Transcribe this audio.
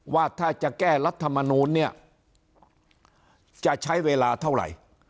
ว่าถ้าจะแก้รัฐมนูลเนี่ยจะใช้เวลาเท่าไหร่